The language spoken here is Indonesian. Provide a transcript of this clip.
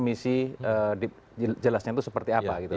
misi jelasnya itu seperti apa gitu